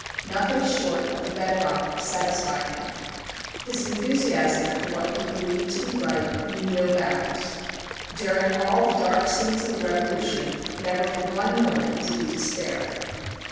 Nothing short of the bed rock satisfied him. His enthusiasm for what he believed to be right knew no bounds. During all the dark scenes of the Revolution, never for one moment did he despair.